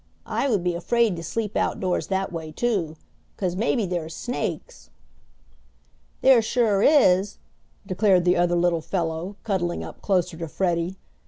"I would be afraid to sleep outdoors that way too. 'Cause maybe there's snakes." "There sure is," declared the other little fellow, cuddling up closer to Freddie.